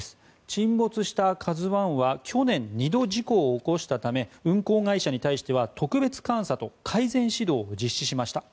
沈没した「ＫＡＺＵ１」は去年、２度事故を起こしたため運航会社に対しては特別監査と改善指導を実施しました。